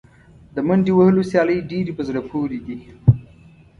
د منډې وهلو سیالۍ ډېرې په زړه پورې دي.